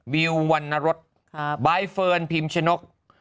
วิววันนรสใบเฟิร์นพิมชนก